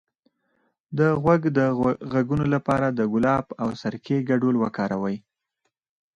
د غوږ د غږونو لپاره د ګلاب او سرکې ګډول وکاروئ